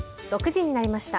６時になりました。